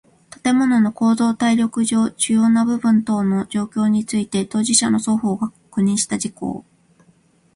建物の構造耐力上主要な部分等の状況について当事者の双方が確認した事項